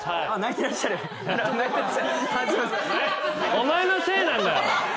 お前のせいなんだよ。